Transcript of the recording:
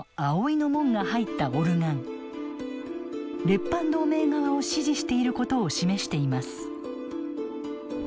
列藩同盟側を支持していることを示しています。